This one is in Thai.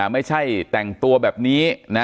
ไม่ใช่แต่งตัวแบบนี้นะ